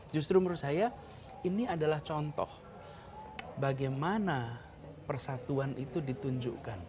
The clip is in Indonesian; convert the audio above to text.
justru menurut saya ini adalah contoh bagaimana persatuan itu ditunjukkan